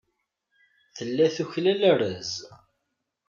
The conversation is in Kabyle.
Tella tuklal arraz.